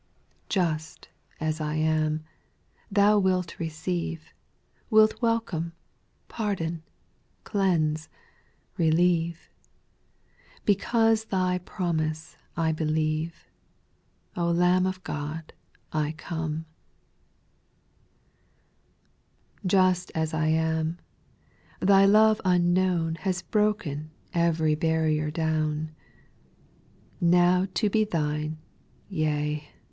Just as I am, — ^Thbu wilt receive, Wilt welcome, pardon, cleanse, relieve, — Because Thy promise I believe, O Lamb of God, I come 1 6, Just as I am, — Thy love unknown Has broken every barrier down. Now to be thine, yea.